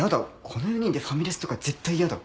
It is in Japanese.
この４人でファミレスとか絶対やだ。